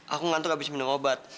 aku ngantuk abis minum obat